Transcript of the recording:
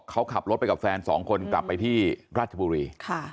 เขาขับรถไปกับแฟนสองคนกลับไปที่ราชบุรี